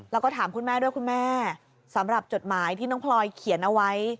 แล้วก็ถามคุณแม่ด้วยคุณแม่สำหรับจดหมายที่น้องพลอยเขียนเอาไว้